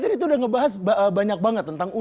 tapi kita udah ngebahas banyak banget tentang u dua puluh